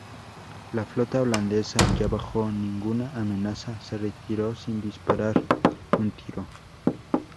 La flota holandesa, ya bajo ninguna amenaza, se retiró sin disparar un tiro.